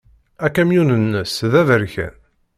Akamyun-nnes d aberkan.